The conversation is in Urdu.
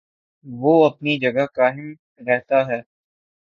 وہ اپنی جگہ قائم رہتا ہے۔